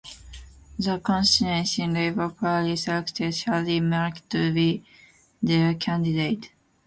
The Constituency Labour Party selected Shahid Malik to be their candidate.